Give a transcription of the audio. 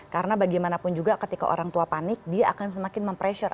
karena bagaimanapun juga ketika orang tua panik dia akan semakin mempressure